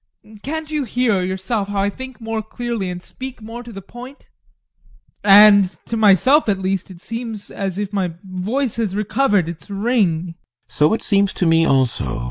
Can't you hear, yourself, how I think more clearly and speak more to the point? And to myself at least it seems as if my voice had recovered its ring. GUSTAV. So it seems to me also.